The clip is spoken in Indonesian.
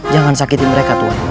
jangan sakiti mereka tuan